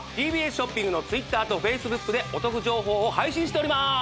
ＴＢＳショッピングのＴｗｉｔｔｅｒとＦａｃｅｂｏｏｋでお得情報を配信しております